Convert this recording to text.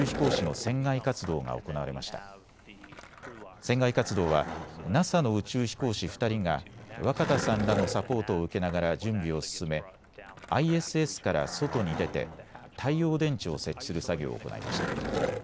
船外活動はＮＡＳＡの宇宙飛行士２人が若田さんらのサポートを受けながら準備を進めＩＳＳから外に出て太陽電池を設置する作業を行いました。